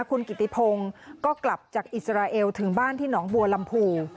คุณกิติพงศ์ก็กลับจากอิสราเอลถึงบ้านที่หนองบัวลำพู